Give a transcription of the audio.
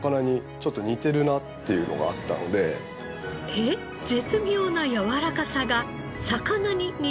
えっ絶妙なやわらかさが魚に似てる？